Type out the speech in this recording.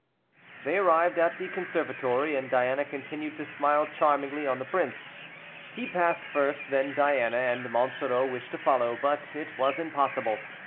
They arrived at the conservatory, and Diana continued to smile charmingly on the prince. He passed first, then Diana, and Monsoreau wished to follow, but it was impossible.